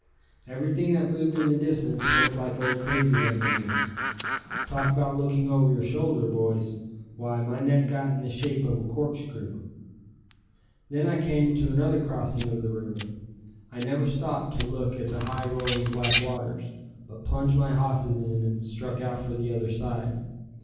Everything that moved in the distance looked like old Crazy Head to me. Talk about looking over your shoulder, boys; why, my neck got in the shape of a corkscrew. Then I came to another crossing of the river. I never stopped to look at the high rolling black waters, but plunged my hosses in and struck out for the other side.